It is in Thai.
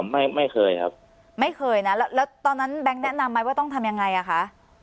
ไม่ไม่เคยครับไม่เคยนะแล้วตอนนั้นแบงค์แนะนำไหมว่าต้องทำยังไงอ่ะคะ